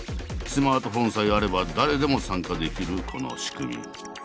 スマートフォンさえあれば誰でも参加できるこの仕組み。